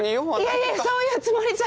いやいやそういうつもりじゃ。